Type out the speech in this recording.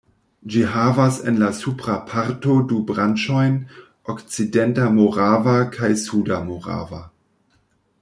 Ĝi havas en la supra parto du branĉojn, Okcidenta Morava kaj Suda Morava.